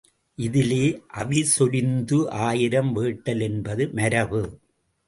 இதிலே, அவிசொரிந்து ஆயிரம் வேட்டல் என்பது மரபு.